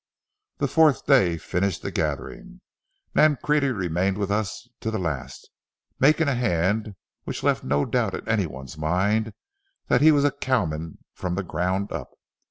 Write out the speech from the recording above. The fourth day finished the gathering. Nancrede remained with us to the last, making a hand which left no doubt in any one's mind that he was a cowman from the ground up.